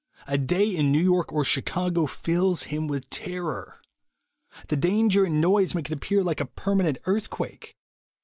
A day in New York or Chicago fills him with terror. The danger and noise make it appear like a permanent earthquake.